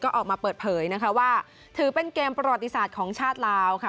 ก็ออกมาเปิดเผยนะคะว่าถือเป็นเกมประวัติศาสตร์ของชาติลาวค่ะ